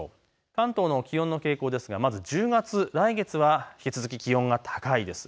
関東の気温の傾向ですがまず１０月、来月は引き続き気温が高いです。